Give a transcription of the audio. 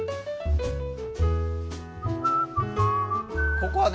ここはね